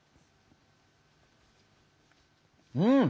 うん！